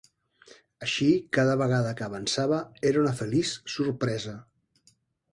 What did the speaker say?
Així cada vegada que avançava era una feliç sorpresa.